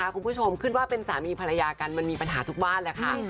คุณผู้ชมขึ้นว่าเป็นสามีภรรยากันมันมีปัญหาทุกบ้านแหละค่ะ